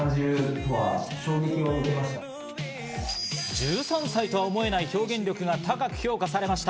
１３歳とは思えない表現力が高く評価されました。